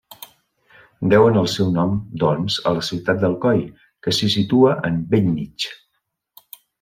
Deuen el seu nom, doncs, a la ciutat d'Alcoi, que s'hi situa en bell mig.